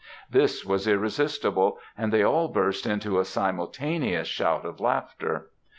This was irresistible; and they all burst into a simultaneous shout of laughter.